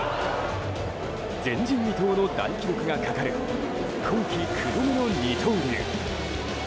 前人未到の大記録がかかる今季９度目の二刀流。